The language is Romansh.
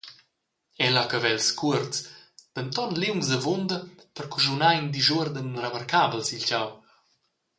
Ella ha cavels cuorts, denton liungs avunda per caschunar in disuorden remarcabel sil tgau.